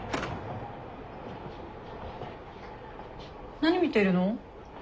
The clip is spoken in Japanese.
何見てるの？